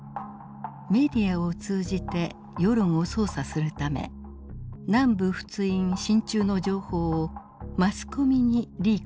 メディアを通じて世論を操作するため南部仏印進駐の情報をマスコミにリークしたのです。